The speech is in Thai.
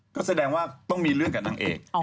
ก็แสดงว่าต้องมีเรื่องกับนางเอก